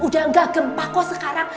udah gak gempa kok sekarang